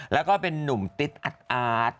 แล้วก็เป็นนุ่มติ๊ดอัดอาร์ต